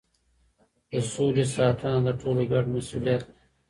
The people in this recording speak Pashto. د سولې ساتنه د ټولو ګډ مسؤلیت دی.